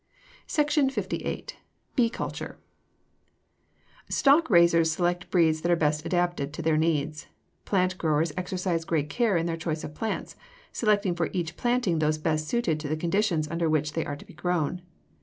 SECTION LVIII. BEE CULTURE Stock raisers select breeds that are best adapted to their needs. Plant growers exercise great care in their choice of plants, selecting for each planting those best suited to the conditions under which they are to be grown.